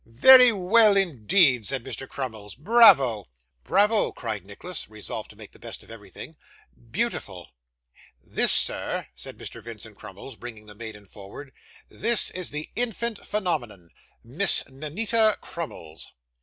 'Very well indeed,' said Mr. Crummles; 'bravo!' 'Bravo!' cried Nicholas, resolved to make the best of everything. 'Beautiful!' 'This, sir,' said Mr. Vincent Crummles, bringing the maiden forward, 'this is the infant phenomenon Miss Ninetta Crummles.